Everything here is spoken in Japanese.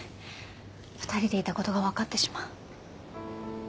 ２人でいたことが分かってしまう。